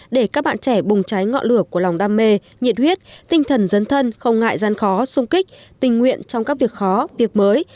để các bạn trẻ bùng cháy ngọn lửa của lòng đam mê nhiệt huyết tinh thần dấn thân không ngại gian khó xung kích tình nguyện trong các việc khó việc mới